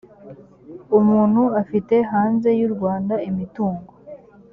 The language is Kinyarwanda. umuntu afite hanze y u rwanda imitungo